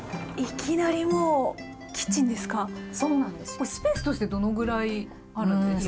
これスペースとしてどのぐらいあるんですか？